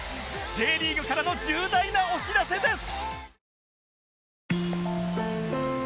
Ｊ リーグからの重大なお知らせです！